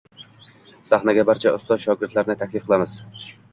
Sahnaga barcha ustoz-shogirdlarni taklif qilamiz.